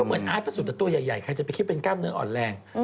เหมือนอาร์ตพระสุทธิ์ตัวใหญ่ใครจะไปคิดเป็นกล้ามเนื้ออ่อนแรง